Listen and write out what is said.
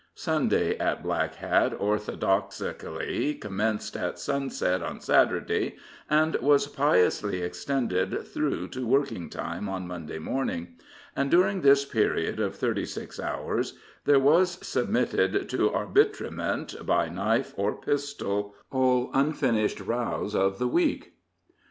Sunday, at Black Hat, orthodoxically commenced at sunset on Saturday, and was piously extended through to working time on Monday morning, and during this period of thirty six hours there was submitted to arbitrament, by knife or pistol, all unfinished rows of the week.